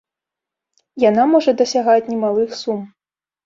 Яна можа дасягаць немалых сум.